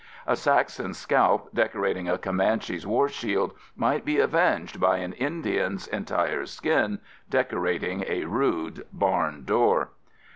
A Saxon's scalp decorating a Comanche's war shield might be avenged by an Indian's entire skin decorating a rude barn door.